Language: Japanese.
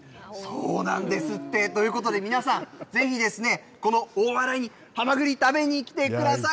そうなんですって。ということで皆さん、ぜひですね、この大洗に、はまぐり食べに来てください。